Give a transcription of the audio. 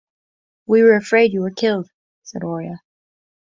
“We were afraid you were killed,” said Oria.